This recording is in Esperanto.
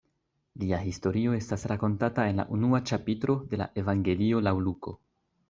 Lia historio estas rakontata en la unua ĉapitro de la Evangelio laŭ Luko.